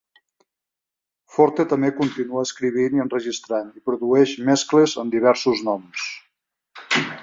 Forte també continua escrivint i enregistrant, i produeix mescles amb diversos noms.